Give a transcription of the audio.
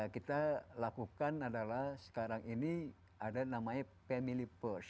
kita lakukan adalah sekarang ini ada namanya family first